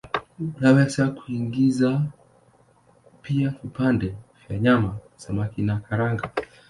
Unaweza kuingiza pia vipande vya nyama, samaki na karanga.